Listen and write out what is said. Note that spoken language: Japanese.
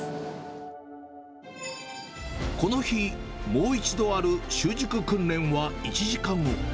この日、もう一度ある習熟訓練は１時間後。